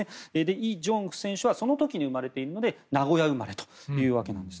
イ・ジョンフ選手はその時に生まれているので名古屋生まれというわけです。